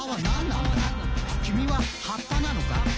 「きみは葉っぱなのか？」